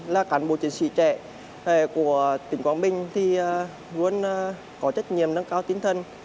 là cán bộ chiến sĩ trẻ của tỉnh quảng bình thì luôn có trách nhiệm nâng cao tinh thần